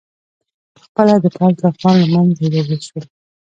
په خپله د پوځ له خوا له منځه یووړل شول